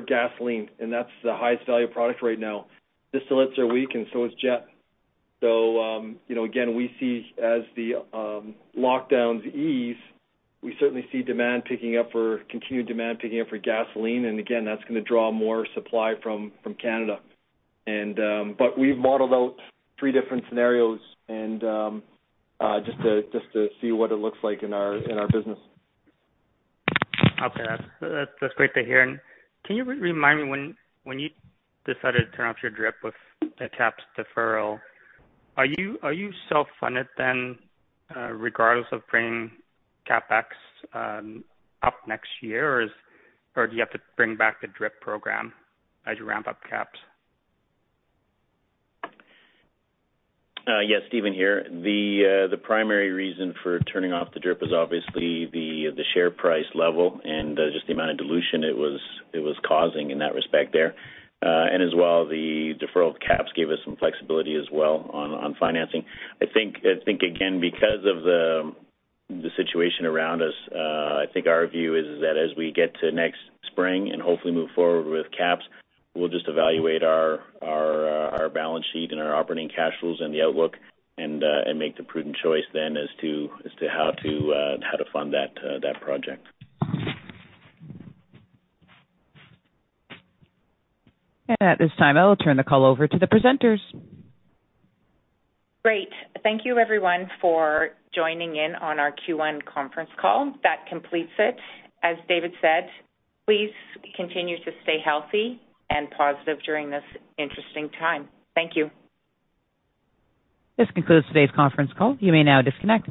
gasoline, and that is the highest value product right now. Distillates are weak, and so is jet. Again, we see as the lockdowns ease, we certainly see continued demand picking up for gasoline. Again, that is going to draw more supply from Canada. We've modeled out three different scenarios just to see what it looks like in our business. Okay. That's great to hear. Can you remind me, when you decided to turn off your DRIP with the KAPS deferral, are you self-funded then regardless of bringing CapEx up next year, or do you have to bring back the DRIP program as you ramp up KAPS? Yes, Steven here. The primary reason for turning off the DRIP is obviously the share price level and just the amount of dilution it was causing in that respect there. As well, the deferral of KAPS gave us some flexibility as well on financing. I think, again, because of the situation around us, I think our view is that as we get to next spring and hopefully move forward with KAPS, we'll just evaluate our balance sheet and our operating cash flows and the outlook and make the prudent choice then as to how to fund that project. At this time, I will turn the call over to the presenters. Great. Thank you everyone for joining in on our Q1 conference call. That completes it. As David said, please continue to stay healthy and positive during this interesting time. Thank you. This concludes today's conference call. You may now disconnect.